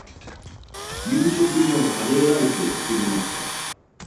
夕食にはカレーライスを作りました。